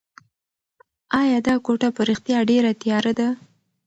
ایا دا کوټه په رښتیا ډېره تیاره ده؟